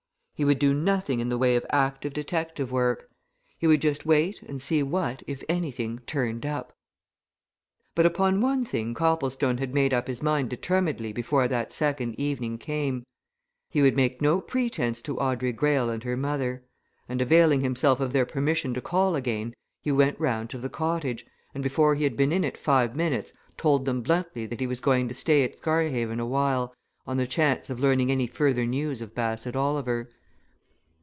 He would do nothing in the way of active detective work he would just wait and see what, if anything, turned up. But upon one thing Copplestone had made up his mind determinedly before that second evening came he would make no pretence to Audrey Greyle and her mother. And availing himself of their permission to call again, he went round to the cottage, and before he had been in it five minutes told them bluntly that he was going to stay at Scarhaven awhile, on the chance of learning any further news of Bassett Oliver.